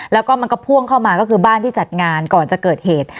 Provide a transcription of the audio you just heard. แล้วก็มันก็พ่วงเข้ามาก็คือบ้านที่จัดงานก่อนจะเกิดเหตุ